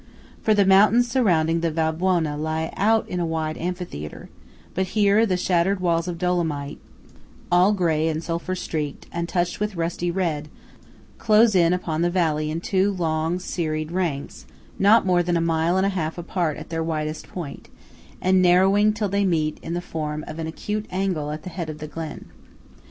For the mountains surrounding the Val Buona lie out in a wide amphitheatre; but here the shattered walls of Dolomite, all grey and sulphur streaked, and touched with rusty red, close in upon the valley in two long serried ranks, not more than a mile and a half apart at their widest point, and narrowing till they meet in the form of an acute angle at the head of the glen.